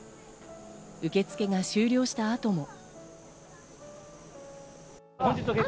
受け付けが終了した後も。